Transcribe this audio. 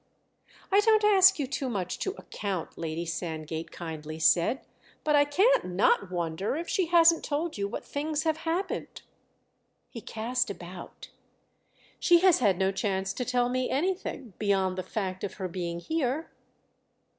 "I don't ask you too much to 'account,'" Lady Sandgate kindly said; "but I can't not wonder if she hasn't told you what things have happened." He cast about. "She has had no chance to tell me anything—beyond the fact of her being here."